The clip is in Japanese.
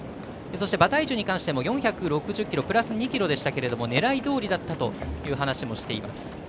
そして、馬体重に関しても４６０ｋｇプラス２ｋｇですけど狙いどおりだったという話もしています。